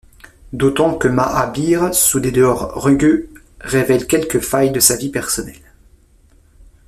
D'autant que Mahabir, sous des dehors rugueux, révèle quelques failles de sa vie personnelle.